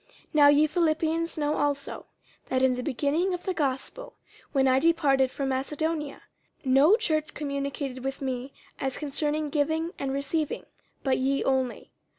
50:004:015 Now ye Philippians know also, that in the beginning of the gospel, when I departed from Macedonia, no church communicated with me as concerning giving and receiving, but ye only.